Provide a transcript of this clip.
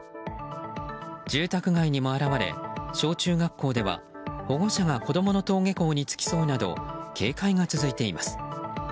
住宅街にも現れ、小中学校では保護者が子供の登下校に付き添うなど警戒が続いています。